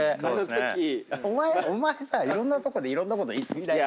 お前さいろんなとこでいろんなこと言い過ぎだよ。